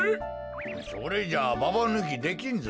それじゃあババぬきできんぞ。